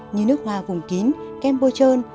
như nước hoa vùng kín kem bôi trơn